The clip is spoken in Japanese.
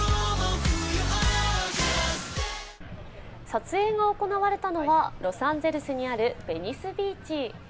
撮影が行われたのはロサンゼルスにあるベニスピーチ。